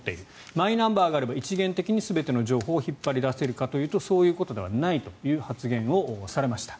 マイナンバーがあれば一元的に全ての情報を引っ張り出せるかというとそういうことではないという発言をされました。